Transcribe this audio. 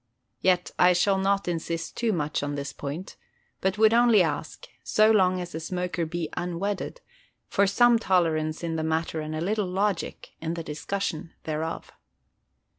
Yet I shall not insist too much on this point, but would only ask—so long as the smoker be unwedded—for some tolerance in the matter and a little logic in the discussion thereof.